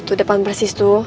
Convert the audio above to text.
itu depan persis tuh